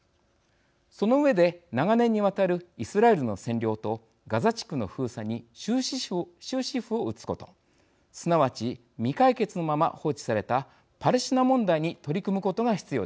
その上で長年にわたるイスラエルの占領とガザ地区の封鎖に終止符を打つことすなわち未解決のまま放置されたパレスチナ問題に取り組むことが必要です。